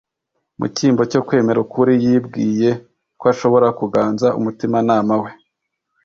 Mu cyimbo cyo kwemera ukuri; yibwiye ko ashobora kuganza umutimanama we;